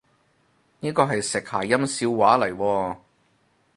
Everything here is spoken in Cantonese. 呢個係食諧音笑話嚟喎？